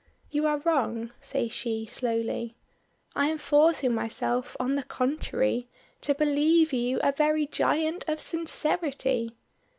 "You are wrong," says she, slowly. "I am forcing myself, on the contrary, to believe you a very giant of sincerity."